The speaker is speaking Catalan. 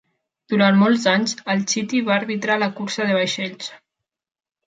Durant molts anys, en Chitty va arbitrar la cursa de vaixells.